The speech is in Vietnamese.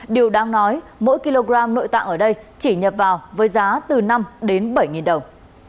điều đáng nói mỗi kg nội tạng ở đây chỉ nhập vào với giá từ năm đến bảy đồng